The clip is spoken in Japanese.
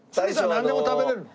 なんでも食べられます。